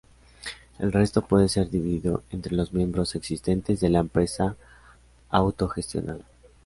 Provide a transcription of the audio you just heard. El resto puede ser dividido entre los miembros existentes de la empresa autogestionada.